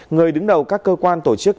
người đứng đầu các cơ quan tổ chức